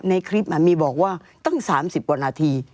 ในคลิปมีบอกว่าตั้ง๓๐กว่านาที